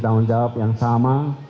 tanggung jawab yang sama